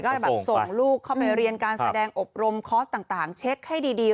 ก็แบบส่งลูกเข้าไปเรียนการแสดงอบรมคอร์สต่างเช็คให้ดี